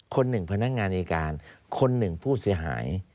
คนหนึ่งพนักงานอายการคนหนึ่งผู้เสียหาย